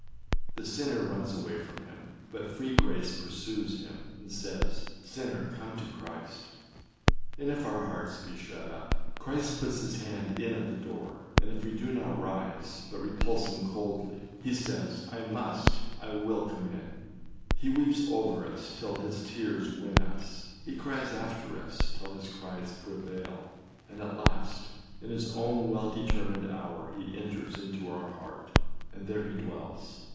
The sinner runs away from him, but free grace pursues him, and says, âSinner, come to Christ;â and if our hearts be shut up, Christ puts his hand in at the door, and if we do not rise, but repulse him coldly, he says, âI must, I will come in;â he weeps over us till his tears win us; he cries after us till his cries prevail; and at last in his own well determined hour he enters into our heart, and there he dwells.